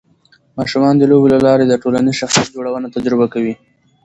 ماشومان د لوبو له لارې د ټولنیز شخصیت جوړونه تجربه کوي.